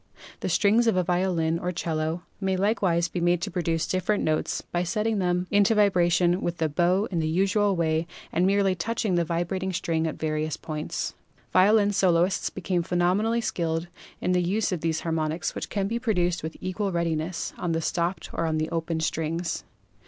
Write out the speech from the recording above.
The strings of a violin or 'cello may likewise be made to produce different notes by setting them into vibration with the bow in the usual way and merely SOUND 129 touching the vibrating string at various points. Violin soloists become phenomenally skilled in the use of these harmonics, which can be produced with equal readiness on the stopped or on the open strings.